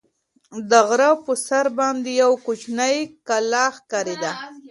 د غره په سر باندې یوه کوچنۍ کلا ښکارېده.